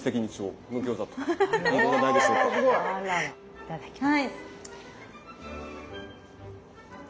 いただきます。